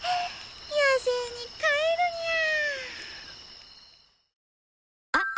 野生に返るにゃ。